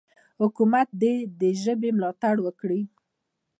حکومت دې د ژبې ملاتړ وکړي.